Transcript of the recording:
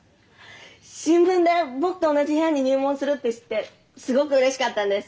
新聞で僕と同じ部屋に入門するって知ってすごくうれしかったんです。